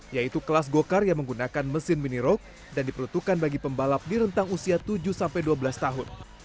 yaitu kelas go kart yang menggunakan mesin mini rock dan diperuntukkan bagi pembalap di rentang usia tujuh sampai dua belas tahun